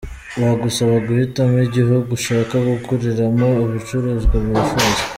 Bagusaba guhitamo igihugu ushaka kuguriramo ibicuruzwa wifuza.